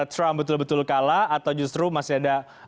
trump betul betul kalah atau justru masih ada